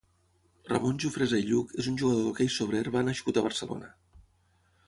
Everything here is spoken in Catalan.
Ramon Jufresa i Lluch és un jugador d'hoquei sobre herba nascut a Barcelona.